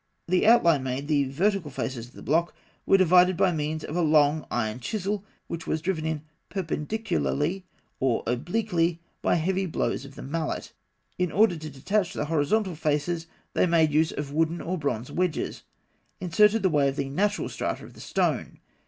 The outline made, the vertical faces of the block were divided by means of a long iron chisel, which was driven in perpendicularly or obliquely by heavy blows of the mallet. In order to detach the horizontal faces, they made use of wooden or bronze wedges, inserted the way of the natural strata of the stone.